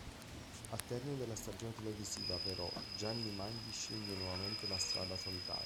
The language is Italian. Al termine della stagione televisiva però Gianni Magni sceglie nuovamente la strada solitaria.